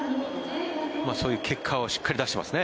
そういう結果をしっかり出していますね。